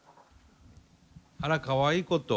あらかわいいこと。